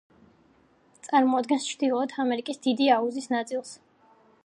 წარმოადგენს ჩრდილოეთ ამერიკის დიდი აუზის ნაწილს.